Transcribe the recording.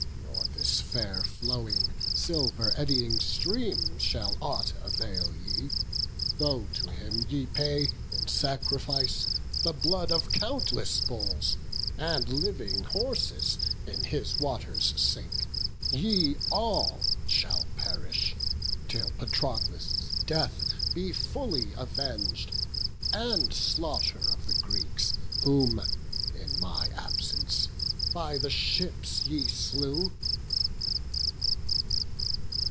Nor this fair flowing, silver eddying stream, Shall aught avail ye, though to him ye pay In sacrifice the blood of countless bulls, And living horses in his waters sink. Ye all shall perish, till Patroclus' death Be fully aveng'd, and slaughter of the Greeks, Whom, in my absence, by the ships ye slew."